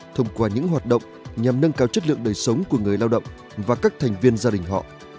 thông qua những hoạt động nhằm nâng cao chất lượng đời sống của người lao động và các thành viên gia đình họ